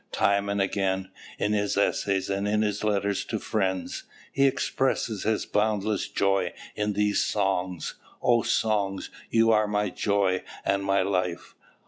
Time and again, in his essays and in his letters to friends, he expresses his boundless joy in these songs: "O songs, you are my joy and my life!